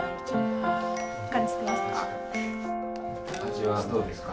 味はどうですか？